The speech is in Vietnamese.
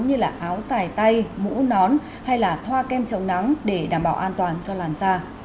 như áo dài tay mũ nón hay thoa kem trồng nắng để đảm bảo an toàn cho làn da